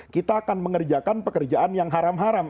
kita akan mengerjakan pekerjaan yang haram haram